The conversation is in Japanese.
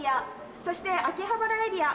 そして秋葉原エリア